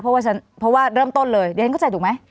เพราะว่าเริ่มต้นเลยเดี๋ยวฉันเข้าใจถูกไหม